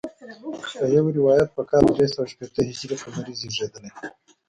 په یو روایت په کال درې سوه شپېته هجري قمري زیږېدلی.